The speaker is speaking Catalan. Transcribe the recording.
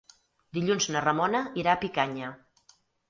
Dilluns na Ramona irà a Picanya.